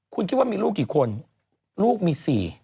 คุณคิดว่ามีลูกกี่คนลูกมี๔